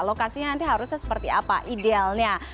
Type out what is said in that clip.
lokasinya nanti harusnya seperti apa idealnya